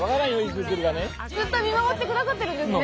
ずっと見守ってくださってるんですね。